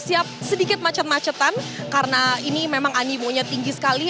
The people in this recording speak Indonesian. siap sedikit macet macetan karena ini memang animonya tinggi sekali